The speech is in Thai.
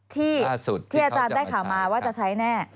ที่อาจารย์ได้ข่าวมาว่าจะใช้แน่